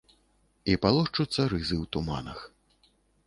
І палошчуцца рызы ў туманах.